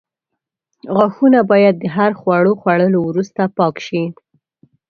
غاښونه باید د هر خواړو خوړلو وروسته پاک شي.